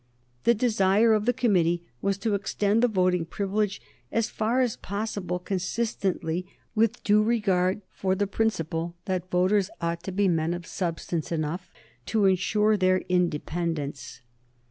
The desire of the committee was to extend the voting privilege as far as possible consistently with due regard for the principle that the voters ought to be men of substance enough to insure their independence.